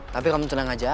tapi kamu tenang aja